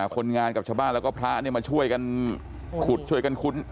คนงานกับชาวบ้านแล้วก็พระมาช่วยกันขุดช่วยกันคุ้น